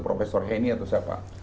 profesor heni atau siapa